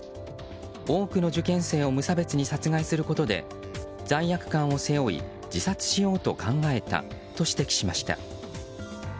多くの受験生を無差別に殺害することで罪悪感を背負い、自殺しようと考えたと指摘しました。